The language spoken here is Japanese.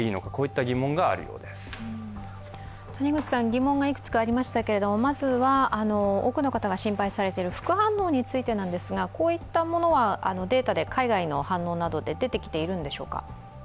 疑問がいくつかありましたがまずは多くの方が心配されている副反応についてなんですがこういったものはデータで海外の反応などで出てきているんでしょうか？